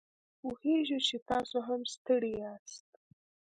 پوهیږو چې تاسو هم ستړي یاست